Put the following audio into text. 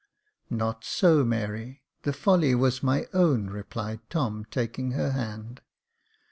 " Not so, Mary, the folly was my own," replied Tom, taking her hand.